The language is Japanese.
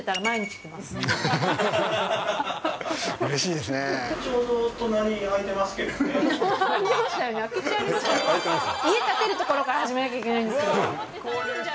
空き地ありますね、家建てるところから始めなきゃいけないんですけど。